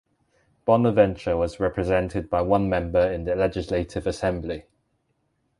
Bonaventure was represented by one member in the Legislative Assembly.